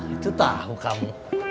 itu tau kamu